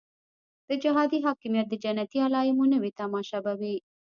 د جهادي حاکمیت د جنتي علایمو نوې تماشه به وي.